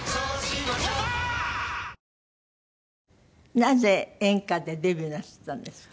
なぜ演歌でデビューなすったんですか？